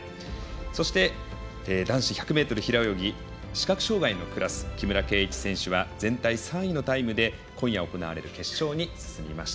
そして男子１００ｍ平泳ぎ視覚障がいのクラス木村敬一選手は全体３位のタイムで今夜行われる決勝に進みました。